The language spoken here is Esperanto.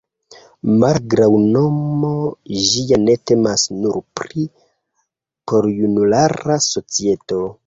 Malgraŭ nomo ĝia ne temas nur pri porjunulara societo.